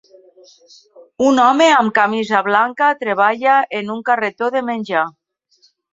Un home amb camisa blanca treballa en un carretó de menjar.